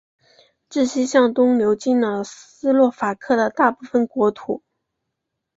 自西向东流经了斯洛伐克的大部分国土。